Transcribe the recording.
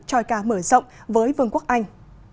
choi ca mở rộng với vương quốc anh